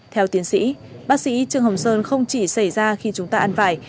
theo tiến sĩ bác sĩ trương hồng sơn không chỉ xảy ra khi chúng ta ăn vài